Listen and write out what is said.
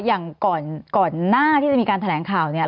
อย่างก่อนหน้าที่จะมีการแถลงข่าวเนี่ย